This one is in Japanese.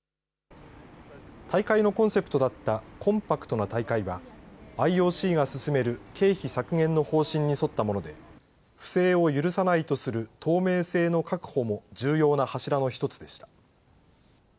大会のコンセプトだったコンパクトな大会は、ＩＯＣが進める経費削減の方針に沿ったもので、不正を許さないとする透明性の確保も重要な柱の１つでした。